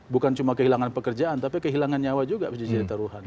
bukan cuma kehilangan pekerjaan tapi kehilangan nyawa juga bisa jadi taruhan